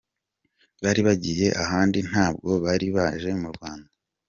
Bari bagiye ahandi ntabwo bari baje mu Rwanda.